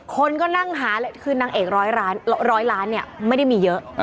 คนก็นั่งหาเลยคือนางเอกร้อยล้านเนี่ยไม่ได้มีเยอะ